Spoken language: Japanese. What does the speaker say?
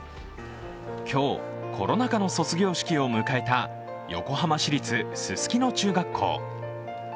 今日、コロナ禍の卒業式を迎えた横浜市立すすき野中学校。